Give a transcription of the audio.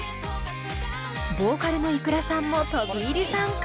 ボーカルのｉｋｕｒａさんも飛び入り参加。